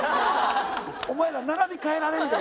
「お前ら並び替えられるで」。